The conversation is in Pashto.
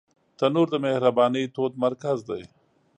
تنور د مهربانۍ تود مرکز دی